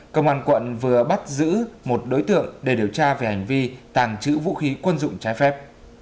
công an quận vừa bắt giữ một đối tượng để điều tra về hành vi tàng trữ vũ khí quân dụng trái phép